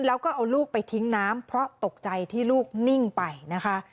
แล้วก็เอาลูกไปทิ้งน้ำเพราะตกใจที่ลูกนิ่งไปนะคะ